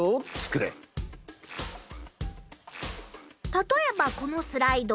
たとえばこのスライド。